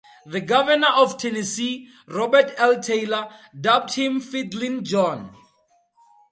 The governor of Tennessee, Robert L. Taylor, dubbed him "Fiddlin' John".